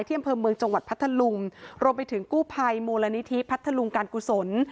อำเภอเมืองจังหวัดพัทธลุงรวมไปถึงกู้ภัยมูลนิธิพัทธลุงการกุศล